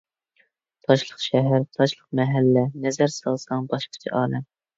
تاشلىق شەھەر، تاشلىق مەھەللە، نەزەر سالساڭ باشقىچە ئالەم.